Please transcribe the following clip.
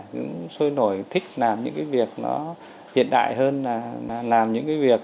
nhưng tôi nổi thích làm những cái việc hiện đại hơn là làm những cái việc